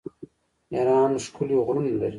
ایران ښکلي غرونه لري.